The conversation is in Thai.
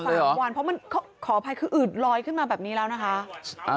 สามวันเพราะมันขออภัยคืออืดลอยขึ้นมาแบบนี้แล้วนะคะ